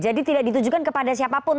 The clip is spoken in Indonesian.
jadi tidak ditujukan kepada siapapun